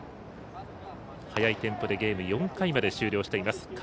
速いテンポでゲーム、４回まで終了しています。